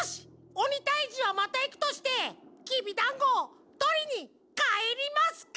おにたいじはまたいくとしてきびだんごとりにかえりますか！